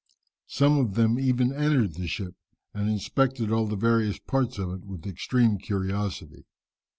Some of them even entered the ship, and inspected all the various parts of it with extreme curiosity.